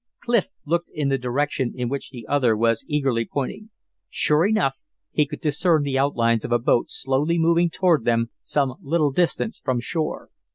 Clif looked in the direction in which the other was eagerly pointing. Sure enough, he could discern the outlines of a boat slowly moving toward them some little distance from shore.